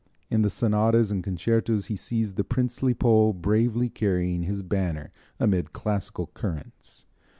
In the sonatas and concertos he sees the princely Pole bravely carrying his banner amid classical currents.